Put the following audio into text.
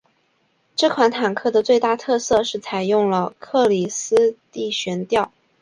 这款坦克的最大特色是采用了克里斯蒂悬吊。